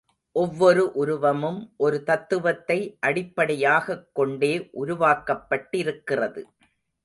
ஒவ்வொரு உருவமும் ஒரு தத்துவத்தை அடிப்படையாகக் கொண்டே உருவாக்கப்பட்டிருக்கிறது.